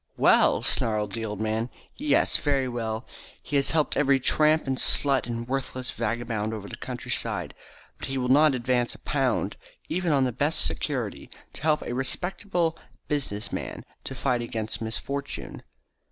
"Well!" snarled the old man. "Yes, very well! He has helped every tramp and slut and worthless vagabond over the countryside, but he will not advance a pound, even on the best security, to help a respectable business man to fight against misfortune."